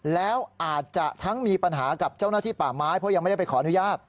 แล้วอาจจะทั้งมีปัญหากับเจ้าหน้าที่ป่าไม้เพราะยังไม่ได้ไปขออนุญาต